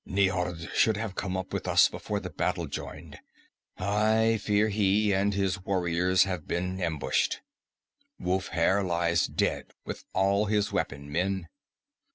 "Niord should have come up with us before the battle joined. I fear he and his warriors have been ambushed. Wulfhere lies dead with all his weapon men.